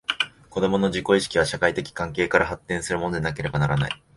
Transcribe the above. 子供の自己意識は、社会的関係から発展するものでなければならない。